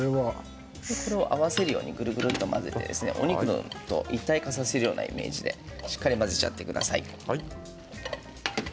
合わせるようにぐるぐるとお肉と一体化させるような感じでしっかりと混ぜちゃってください。